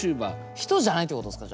人じゃないってことですか？